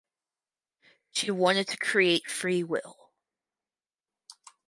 She wanted to create free will.